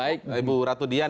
ibu ratu dian